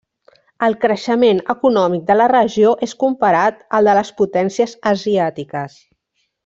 El creixement econòmic de la regió és comparat al de les potències asiàtiques.